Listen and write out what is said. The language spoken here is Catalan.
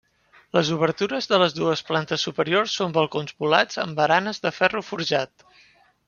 Les obertures de les dues plantes superiors són balcons volats amb baranes de ferro forjat.